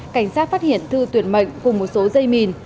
cảnh sát phát hiện thư tuyển mệnh cùng một số dây mìn